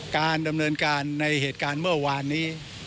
การดำเนินการในเหตุการณ์เมื่อวานนี้